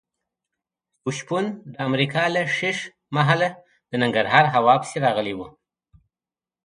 یو شپون د امریکا له ښیښ محله د ننګرهار هوا پسې راغلی و.